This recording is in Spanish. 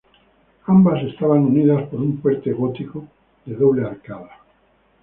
Ambas estaban unidas por un puente gótico de doble arcada.